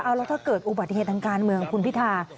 แล้วถ้าเกิดอุบัติเหตุทางการเมืองคุณพิธา